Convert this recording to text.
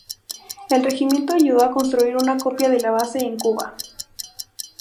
El regimiento ayudó a construir una copia de la base en Cuba.